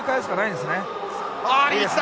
あリーチだ！